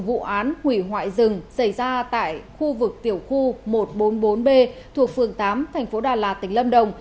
vụ án hủy hoại rừng xảy ra tại khu vực tiểu khu một trăm bốn mươi bốn b thuộc phường tám thành phố đà lạt tỉnh lâm đồng